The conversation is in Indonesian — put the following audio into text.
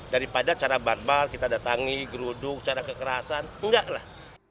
daripada cara barbal kita datangi geruduk cara kekerasan enggak lah